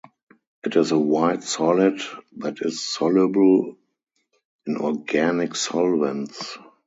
It is a white solid that is soluble in organic solvents.